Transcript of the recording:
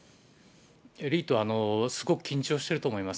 エリートはすごく緊張してると思います。